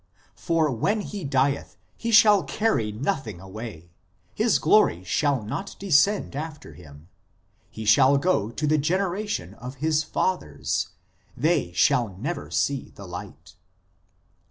"For when he dieth he shall carry nothing away ; his glory shall not descend after him. ... He shall go to the generation of his fathers ; they shall never see the light."